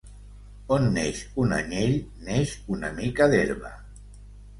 On neix un anyell neix una mica d'herba.